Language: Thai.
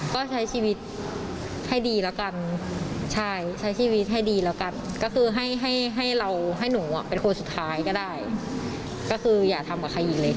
ก็ใช้ชีวิตให้ดีแล้วกันใช่ใช้ชีวิตให้ดีแล้วกันก็คือให้ให้เราให้หนูเป็นคนสุดท้ายก็ได้ก็คืออย่าทำกับใครอีกเลย